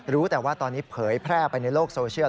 รู้แต่ว่าตอนนี้เผยแพร่ไปในโลกโซเชียล